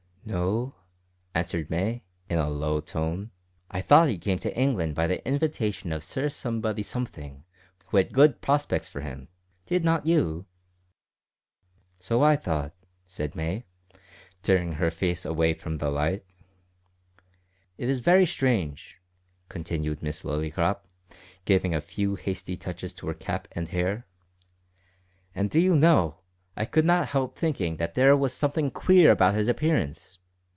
"No," answered May, in a low tone. "I thought he came to England by the invitation of Sir Somebody Something, who had good prospects for him. Did not you?" "So I thought," said May, turning her face away from the light. "It is very strange," continued Miss Lillycrop, giving a few hasty touches to her cap and hair; "and do you know, I could not help thinking that there was something queer about his appearance?